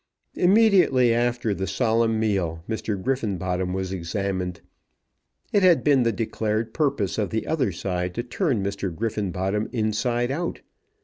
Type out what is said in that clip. Immediately after the solemn meal Mr. Griffenbottom was examined. It had been the declared purpose of the other side to turn Mr. Griffenbottom inside out.